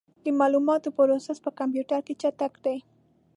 د معلوماتو پروسس په کمپیوټر کې چټک دی.